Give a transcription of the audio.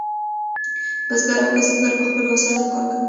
بزګر او کسبګر په خپلو وسایلو کار کوي.